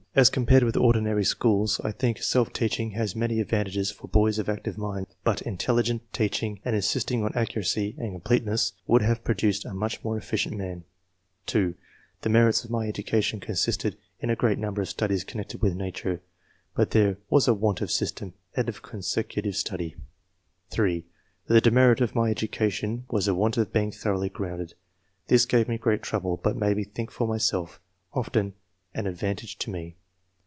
As compared with ordinary schools, I think self teaching has many advantages for boys of active minds; but intelligent teaching and insisting on accuracy and completeness would have produced a much more efficient man." (2) The merits of my education consisted in the great number of studies connected with 246 ENGLISH MEN OF SCIENCE. [chap. nature ; but there wa3 a want of system and of consecutive study." (3) ''The demerit of my education was the want of being thoroughly grounded ; this gave me great trouble, but made me think for myself ; often an advantage to me."